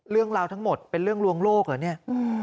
เรื่องราวทั้งหมดเป็นเรื่องลวงโลกเหรอเนี่ย